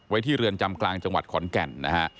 ที่เรือนจำกลางจังหวัดขอนแก่นนะฮะ